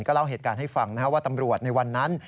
เล่าเหตุการณ์ให้ฟังว่าตำรวจในวันนั้น